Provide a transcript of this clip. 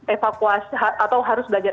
evakuasi atau harus belajar